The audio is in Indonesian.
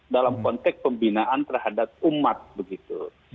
dalam konteks pembinaan terhadap umat begitu